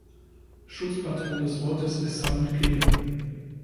Schutzpatron des Ortes ist "San Michele".